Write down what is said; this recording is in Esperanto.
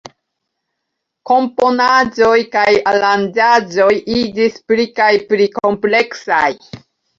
Komponaĵoj kaj aranĝaĵoj iĝis pli kaj pli kompleksaj.